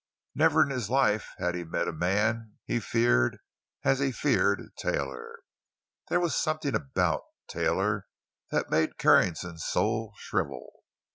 Never in his life had he met a man he feared as he feared Taylor. There was something about Taylor that made Carrington's soul shrivel.